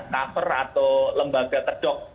cover atau lembaga terjog